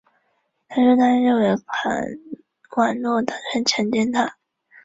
因华人血统而成为中华队一员。